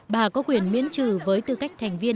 bà có quyền miễn trừ với tư cách thành viên